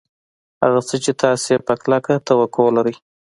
هغه څه چې تاسې یې په کلکه توقع لرئ